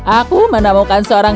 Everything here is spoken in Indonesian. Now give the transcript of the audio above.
aku menemukan seorang